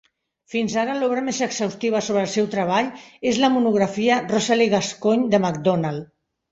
Fins ara, l'obra més exhaustiva sobre el seu treball és la monografia "Rosalie Gascoigne" de MacDonald.